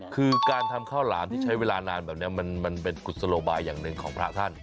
คือการทำข้าวหลามที่ใช้เวลานานแบบนี้มันเป็นกุศโลบายอย่างหนึ่งของพระท่าน